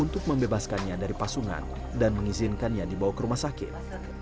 untuk membebaskannya dari pasungan dan mengizinkannya dibawa ke rumah sakit